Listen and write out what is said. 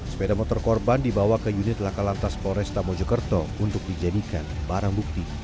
sepeda motor korban dibawa ke unit lakalantas polresta mojekerto untuk dijadikan barang bukti